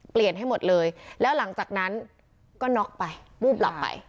เปลี่ยนให้หมดเลยแล้วหลังจากนั้นก็น็อคไปปลูบหลับไป